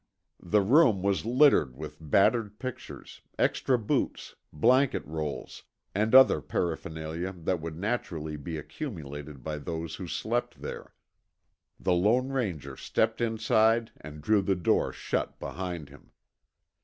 The room was littered with battered pictures, extra boots, blanket rolls, and other paraphernalia that would naturally be accumulated by those who slept there. The Lone Ranger stepped inside and drew the door shut behind him.